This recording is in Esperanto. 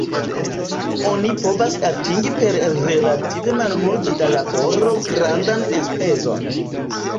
Oni povas atingi per relative malmulte da laboro grandan enspezon.